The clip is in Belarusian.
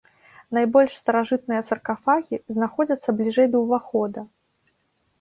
Найбольш старажытныя саркафагі знаходзяцца бліжэй да ўвахода.